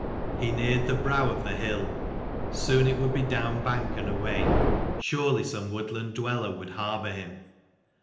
He neared the brow of the hill : soon it would be down bank and away; surely some woodland dweller would harbour him.